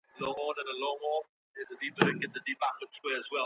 ایا لوی صادروونکي ممیز پلوري؟